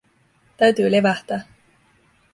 Täytyy levähtää.